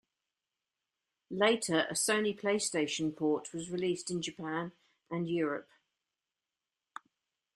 Later, a Sony PlayStation port was released in Japan and Europe.